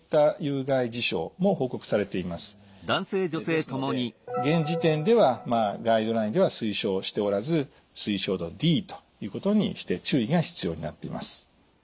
ですので現時点ではガイドラインでは推奨しておらず推奨度Ｄということにして注意が必要になっています。